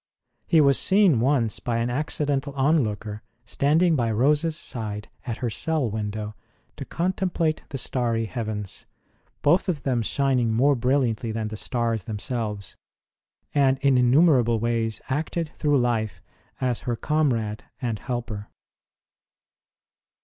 He was seen once by an accidental onlooker standing by Rose s side at her cell window to contemplate the starry heavens both of them shining more brilliantly than the stars themselves and in innumerable ways acted through life as her comrade and helper.